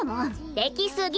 できすぎ！